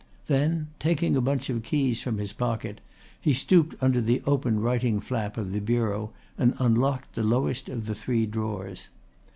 Then taking a bunch of keys from his pocket he stooped under the open writing flap of the bureau and unlocked the lowest of the three drawers.